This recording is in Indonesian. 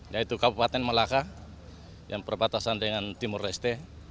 yaitu kabupaten malaka yang perbatasan dengan timur reste